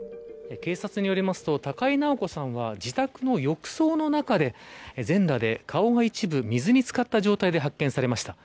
警察によりますと高井直子さんは自宅の浴槽の中で全裸で、顔が一部水に漬かった状態で発見されました。